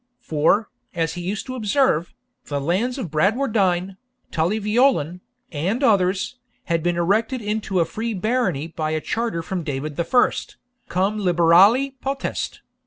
For, as he used to observe, 'the lands of Bradwardine, Tully Veolan, and others, had been erected into a free barony by a charter from David the First, cum liberali potest.